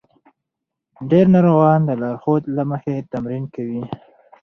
ډېر ناروغان د لارښود له مخې تمرین کوي.